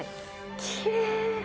きれい！